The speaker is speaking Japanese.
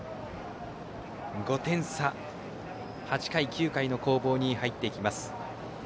５点差、８回、９回の攻防に入っていきます。